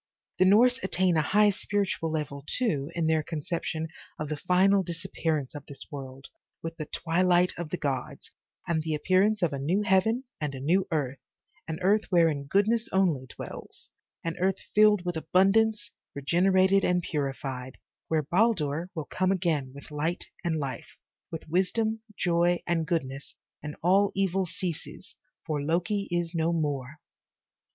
The Norse attain a high spiritual level, too, in their conception of the final disappearance of this world, with the twi light of the gods, and the appearance of a new heaven and a new earth, an earth wherein goodness only dwells, an earth filled with abundance, regenerated and purified, where Baldur will come again with light and life, with wisdom, joy and goodness, and all evil ceases, for Loki is no more.